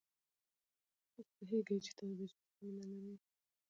تاسو پوهېږئ چې تاسو د چا سره مینه لرئ.